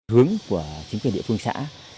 hướng của chính quyền địa phương xã